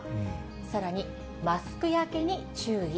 さらに、マスク焼けに注意。